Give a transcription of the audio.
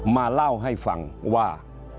มาเล่าให้ฟังว่า